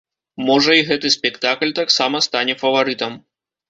Можа, і гэты спектакль таксама стане фаварытам.